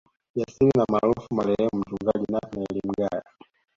Jasiri na maarufu Marehemu Mchungaji Nathanaeli Mgaya